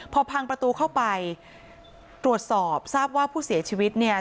พอพังประตูเข้าไปตรวจสอบทราบว่าผู้เสียชีวิตเนี่ย